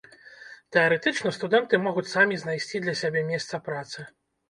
Тэарэтычна студэнты могуць самі знайсці для сябе месца працы.